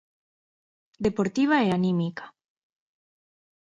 Deportiva e anímica.